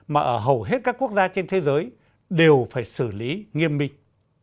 mà ở hầu hết các quốc gia trên thế giới đều phải xử lý nghiêm minh